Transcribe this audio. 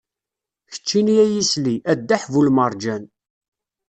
Keččini ay isli, a ddeḥ bu lmerǧan.